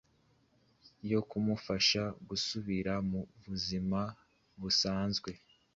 yo kumufasha gusubira mu buzima busanzwe.